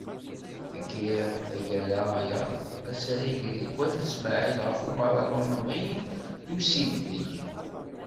Tgiḍ, taggara-a, asarag deg Ayt Smaɛel ɣef umaḍal umḍin d usideg.